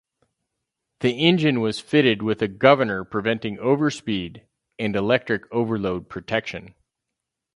The engine was fitted with a governor preventing overspeed, and electric overload protection.